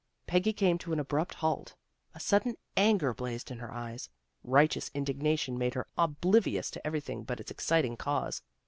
Peggy came to an abrupt halt. A sudden anger blazed in her eyes. Righteous indignation made her oblivious to everything but its exci ting cause.